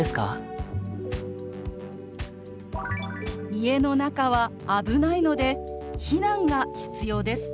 「家の中は危ないので避難が必要です」。